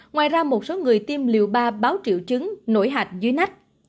ngoài ra một số người tiêm liều ba báo triệu chứng nổi hạch dưới nách